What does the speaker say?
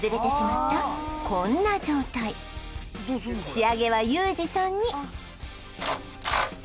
仕上げはユージさんに